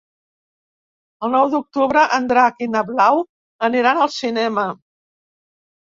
El nou d'octubre en Drac i na Blau aniran al cinema.